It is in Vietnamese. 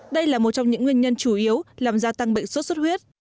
đây là một trong những nguyên nhân chủ yếu làm gia tăng bệnh sốt xuất huyết